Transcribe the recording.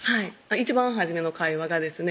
一番初めの会話がですね